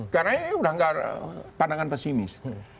karena ini sudah tidak pandangan pesimis